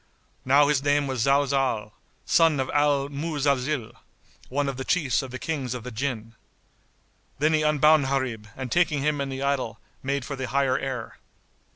Now his name was Zalzál, son of Al Muzalzil,[FN#70] one of the Chiefs of the Kings of the Jinn. Then he unbound Gharib and taking him and the idol, made for the higher air.